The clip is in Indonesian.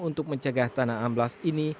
untuk mencegah tanah amblas ini